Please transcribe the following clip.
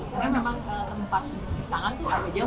karena memang tempat tangan itu agak jauh